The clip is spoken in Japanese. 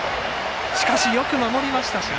しかし、よく守りました。